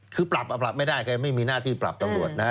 คือปรับเอาปรับไม่ได้แกไม่มีหน้าที่ปรับตำรวจนะฮะ